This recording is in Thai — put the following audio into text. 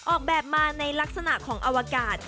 ออกแบบมาในลักษณะของอวกาศ